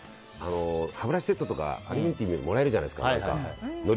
歯ブラシセットとかアメニティーでもらえるじゃないですか。